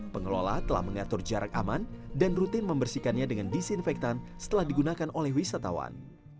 pengelola telah mengatur jarak aman dan rutin membersihkannya dengan disinfektan setelah digunakan oleh wisatawan